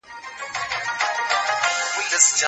هیلې په کراره د خپل بالکن دروازه پرانیستله.